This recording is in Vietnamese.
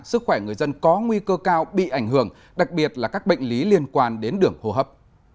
sức khỏe người dân có nguy cơ cao bị ảnh hưởng đặc biệt là các bệnh lý liên quan đến đường hô hấp